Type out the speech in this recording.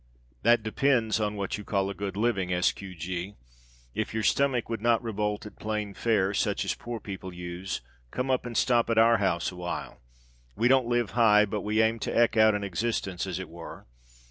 That depends on what you call a good living, S. Q. G. If your stomach would not revolt at plain fare, such as poor people use, come up and stop at our house awhile. We don't live high, but we aim to eke out an existence, as it were.